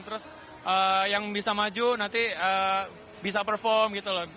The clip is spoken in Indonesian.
terus yang bisa maju nanti bisa perform gitu loh